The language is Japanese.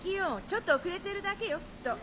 ちょっと遅れてるだけよきっと。